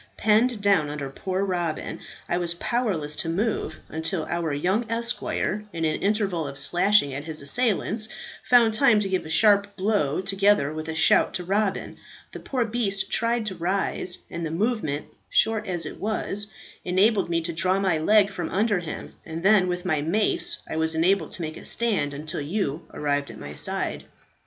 Penned down under poor Robin, I was powerless to move until our young esquire, in an interval of slashing at his assailants, found time to give a sharp blow together with a shout to Robin. The poor beast tried to rise, and the movement, short as it was, enabled me to draw my leg from under him, and then with my mace I was enabled to make a stand until you arrived at my side.